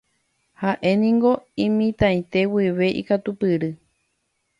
Ha'éniko imitãite guive ikatupyry.